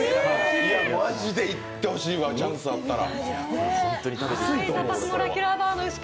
マジで行ってほしいわ、チャンスあったら。